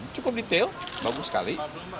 cukup detail bagus sekali